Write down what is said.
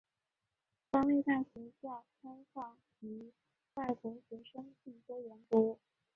防卫大学校开放予外国学生进修研读。